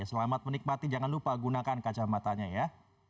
selamat menikmati jangan lupa gunakan kacamatanya ya